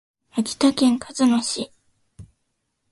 秋田県鹿角市